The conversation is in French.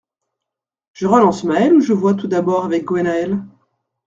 Je relance Mael ou je vois tout d’abord avec Gwennael ?